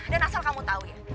dan asal kamu tahu ya